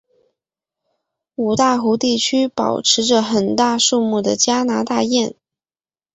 五大湖地区保持着很大数目的加拿大雁。